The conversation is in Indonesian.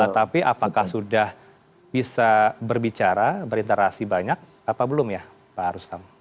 tapi apakah sudah bisa berbicara berinteraksi banyak apa belum ya pak rustam